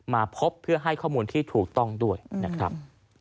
มาพบเพื่อให้ข้อมูลที่ถูกต้องด้วยนะครับ